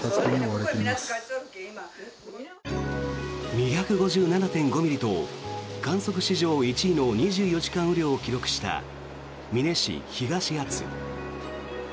２５７．５ミリと観測史上１位の２４時間雨量を記録した美祢市東厚保。